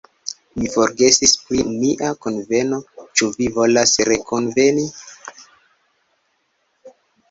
Mi forgesis pri nia kunveno, ĉu vi volas rekunveni?